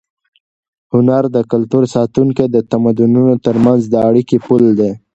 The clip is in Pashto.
هنر د کلتور ساتونکی او د تمدنونو تر منځ د اړیکې پُل دی.